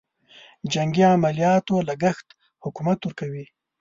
جنګي عملیاتو لګښت حکومت ورکوي.